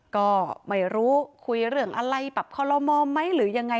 ก็ไม่รู้คุยเรื่องอะไรแบบคอลโลมอไหมหรือยังไง